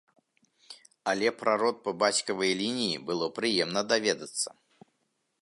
Але пра род па бацькавай лініі было прыемна даведацца.